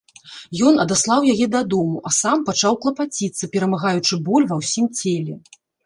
Ён адаслаў яе дадому, а сам пачаў клапаціцца, перамагаючы боль ва ўсім целе.